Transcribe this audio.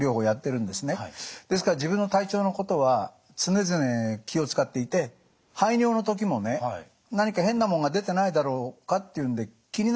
ですから自分の体調のことは常々気を遣っていて排尿の時もね何か変なもんが出てないだろうかっていうんで気になるんですよ。